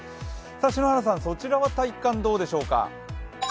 篠原さん、そちらは体感どうでしょうか？